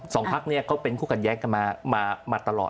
พักเนี่ยเขาเป็นคู่ขัดแย้งกันมาตลอด